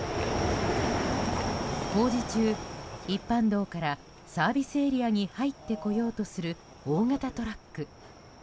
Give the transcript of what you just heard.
工事中、一般道からサービスエリアに入ってこようとする大型トラック。